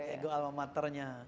ego alma maternya